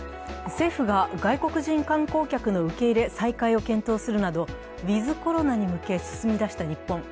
政府が外国人観光客の受け入れ再開を検討するなど、ウィズコロナに向け進みだした日本。